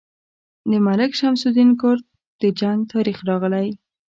د ملک شمس الدین کرت د جنګ تاریخ راغلی.